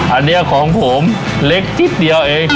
อันนี้ของผมเล็กนิดเดียวเอง